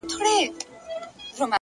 هوډ د ناامیدۍ ځواک کموي،